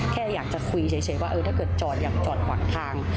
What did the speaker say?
แค่อยากจะคุยเฉยว่าถ้าเกิดจอดอย่างจอดขวางทาง